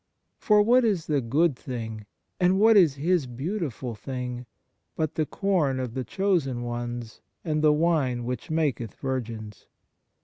For what is the good thing, and what is His beautiful thing, but " the corn of the chosen ones, and the wine which maketh virgins